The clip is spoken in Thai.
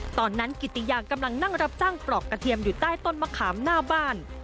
กิติยางกำลังนั่งรับจ้างปลอกกระเทียมอยู่ใต้ต้นมะขามหน้าบ้าน